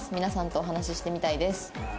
皆さんとお話ししてみたいです。